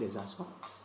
để giả sốt